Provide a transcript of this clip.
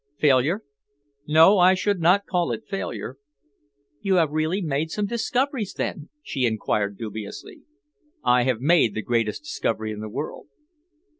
"Failure? No, I should not call it failure." "You have really made some discoveries, then?" she enquired dubiously. "I have made the greatest discovery in the world."